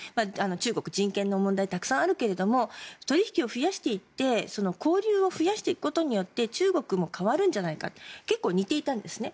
中国は人権の問題がたくさんあるけど取引を増やしていって交流を増やしていくことによって中国も変わるんじゃないかって結構、似ていたんですね。